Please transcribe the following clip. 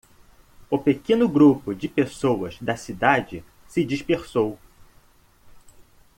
O pequeno grupo de pessoas da cidade se dispersou.